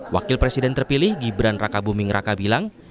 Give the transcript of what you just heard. wakil presiden terpilih gibran raka buming raka bilang